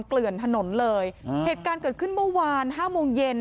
เกลื่อนถนนเลยอ่าเหตุการณ์เกิดขึ้นเมื่อวานห้าโมงเย็น